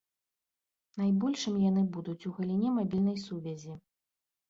Найбольшымі яны будуць у галіне мабільнай сувязі.